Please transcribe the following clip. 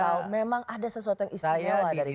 atau memang ada sesuatu yang istimewa dari coach ste ini